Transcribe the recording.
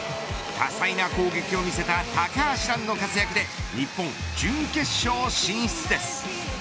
多彩な攻撃を見せた高橋藍の活躍で日本、準決勝進出です。